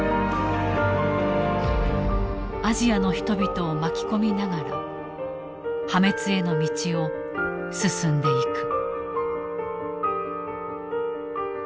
アジアの人々を巻き込みながら破滅への道を進んでいく。